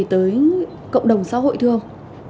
tới cộng đồng xã hội thường